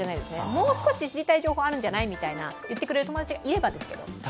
もう少し知りたい情報あるんじゃないとか、いってくれる友達が入れ歯の話ですけど。